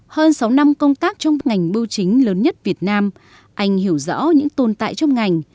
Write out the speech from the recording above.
hơn sáu năm công tác trong ngành bưu chính lớn nhất việt nam anh hiểu rõ những tồn tại trong ngành